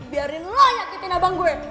biarin lo yaketin abang gue